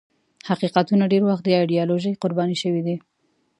حقیقتونه ډېر وخت د ایدیالوژۍ قرباني شوي دي.